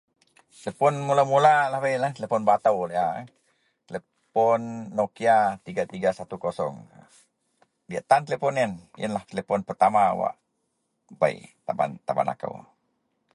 Telepon mula-mula lahabei yenlah telepon batou laei a. Telepon Nokia 3310. Diyak tan telepon yenlah telepon pertama wak bei taban akou.